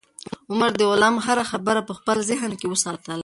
عمر د غلام هره خبره په خپل ذهن کې وساتله.